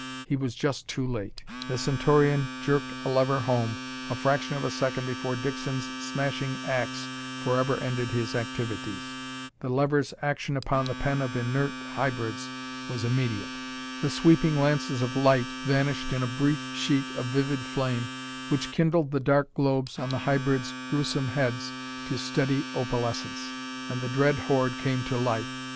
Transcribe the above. He was just too late. The Centaurian jerked a lever home a fraction of a second before Dixon's smashing ax forever ended his activities. The lever's action upon the pen of inert hybrids was immediate. The sweeping lances of light vanished in a brief sheet of vivid flame which kindled the dark globes on the hybrids' gruesome heads to steady opalescence and the dread horde came to life!